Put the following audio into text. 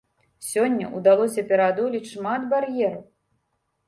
Сёння ўдалося пераадолець шмат бар'ераў.